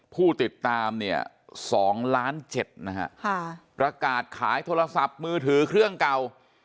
ผู้ติดตามเนี่ย๒ล้าน๗นะฮะประกาศขายโทรศัพท์มือถือเครื่องเก่า